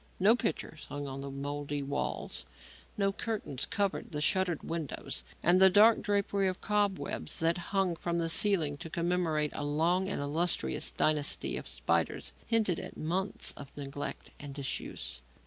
No pictures hung on the mouldy walls, no curtains covered the shuttered windows, and the dark drapery of cobwebs that hung from the ceiling to commemorate a long and illustrious dynasty of spiders hinted at months of neglect and disuse.